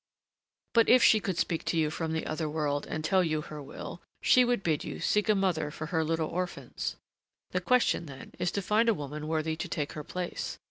But if she could speak to you from the other world and tell you her will, she would bid you seek a mother for her little orphans. The question, then, is to find a woman worthy to take her place.